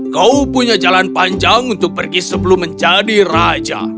kau punya jalan panjang untuk pergi sebelum menjadi raja